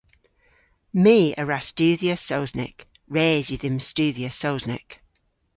My a wra studhya Sowsnek. Res yw dhymm studhya Sowsnek.